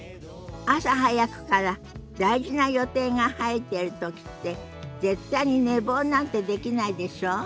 朝早くから大事な予定が入ってる時って絶対に寝坊なんてできないでしょ？